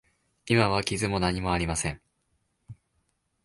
今は傷も何もありません。